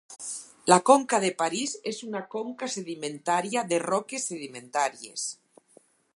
La conca de París és una conca sedimentària de roques sedimentàries.